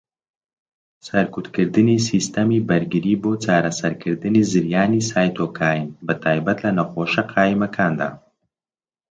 سەرکوتکردنی سیستەمی بەرگری بۆ چارەسەرکردنی زریانی سایتۆکاین، بەتایبەت لە نەخۆشه قایمەکاندا.